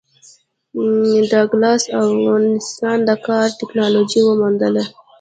ډاګلاس او وانسینا ناکاره ټکنالوژي وموندله.